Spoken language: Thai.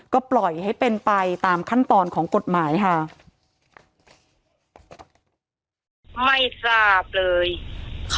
ก็ปล่อยให้เป็นไปตามขั้นตอนของกฎหมายค่ะ